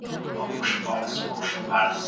ايا رښتيا ويل اړين دي؟